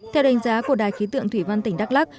theo đánh giá của đài khí tượng thủy văn tỉnh đắk lắc